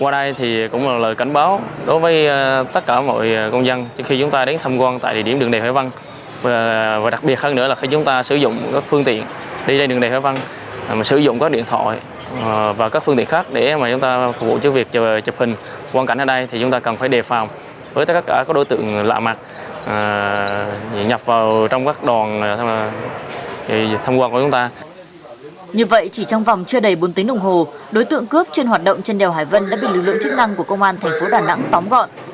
như vậy chỉ trong vòng chưa đầy bốn tiếng đồng hồ đối tượng cướp chuyên hoạt động trên đèo hải vân đã bị lực lượng chức năng của công an thành phố đà nẵng tóm gọn